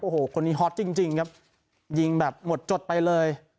โอ้โหคนนี้ฮอตจริงครับยิงแบบหมดจดไปเลย